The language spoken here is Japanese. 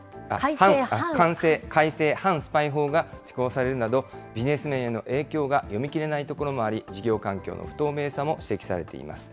改正反スパイ法が施行されるなど、ビジネス面への影響が読み切れないところもあり、事業環境の不透明さも指摘されています。